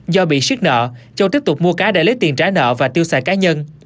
do bị siết nợ châu tiếp tục mua cá để lấy tiền trả nợ và tiêu xài cá nhân